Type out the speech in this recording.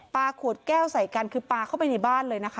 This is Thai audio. ขวดแก้วใส่กันคือปลาเข้าไปในบ้านเลยนะคะ